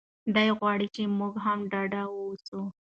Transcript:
دی غواړي چې موږ هم ډاډه اوسو.